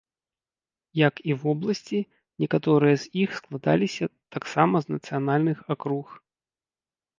Як і вобласці, некаторыя з іх складаліся таксама з нацыянальных акруг.